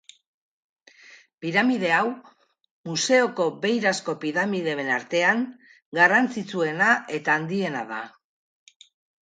Piramide hau, museoko beirazko piramideen artean, garrantzitsuena eta handiena da.